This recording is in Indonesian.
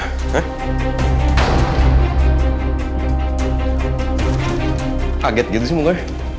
kaget gitu sih mbak